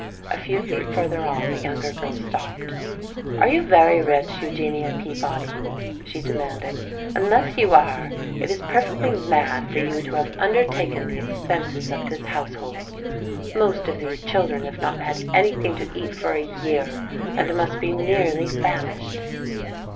A few feet further on the younger girl stopped. "Are you very rich, Eugenia Peabody?" she demanded. "Unless you are, it is perfectly mad for you to have undertaken the expenses of this household. Most of these children have not had anything to eat for a year and must be nearly famished."